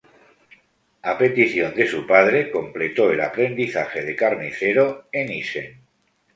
A petición de su padre, completó el aprendizaje de carnicero en Isen.